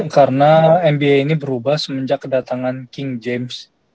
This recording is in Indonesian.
karena nba ini berubah semenjak kedatangan king james